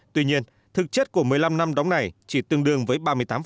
tuy nhiên thực chất của một mươi năm năm đóng này chỉ tương đương với ba mươi tám